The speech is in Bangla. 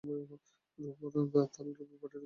রুপোর থালা, রুপোর বাটি, রুপোর গ্লাস।